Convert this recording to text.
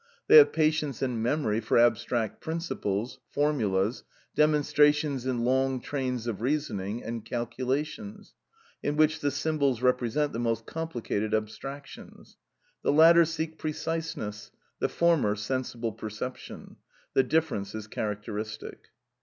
They have patience and memory for abstract principles, formulas, demonstrations in long trains of reasoning, and calculations, in which the symbols represent the most complicated abstractions. The latter seek preciseness, the former sensible perception. The difference is characteristic.